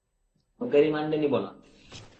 ওকে রিমান্ডে নিব না।